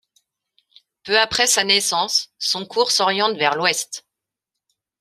Peu après sa naissance, son cours s'oriente vers l'ouest.